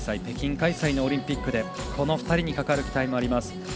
北京開催のオリンピックでこの２人にかかる期待もあります。